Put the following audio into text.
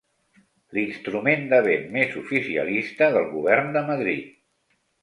L'instrument de vent més oficialista del govern de Madrid.